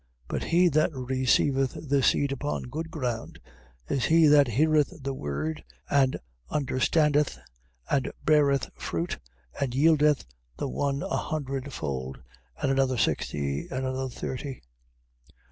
13:23. But he that received the seed upon good ground, is he that heareth the word, and understandeth, and beareth fruit, and yieldeth the one an hundredfold, and another sixty, and another thirty.